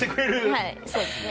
はいそうですね。